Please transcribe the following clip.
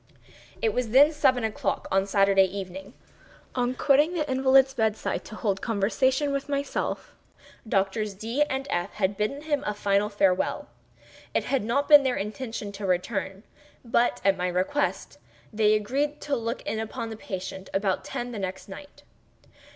It was then seven o'clock on Saturday evening. On quitting the invalid's bed side to hold conversation with myself, Doctors D—— and F—— had bidden him a final farewell. It had not been their intention to return; but, at my request, they agreed to look in upon the patient about ten the next night.